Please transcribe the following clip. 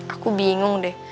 aku bingung deh